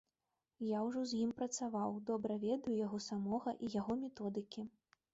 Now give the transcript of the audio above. Я ўжо з ім працаваў, добра ведаю яго самога і яго методыкі.